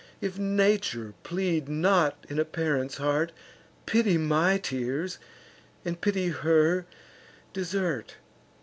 If nature plead not in a parent's heart, Pity my tears, and pity her desert.